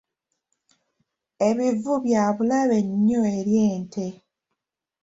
Ebivu bya bulabe nnyo eri ente.